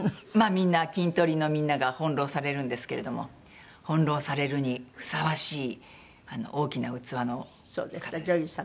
キントリのみんなが翻弄されるんですけれども翻弄されるにふさわしい大きな器の方です。